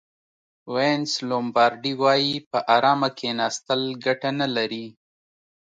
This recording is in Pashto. وینس لومبارډي وایي په ارامه کېناستل ګټه نه لري.